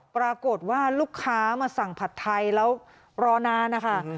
ปรากฏว่าลูกค้ามาสั่งผัดไทยแล้วรอนานนะคะ